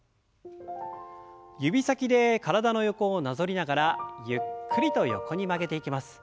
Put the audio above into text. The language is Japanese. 指先で体の横をなぞりながらゆっくりと横に曲げていきます。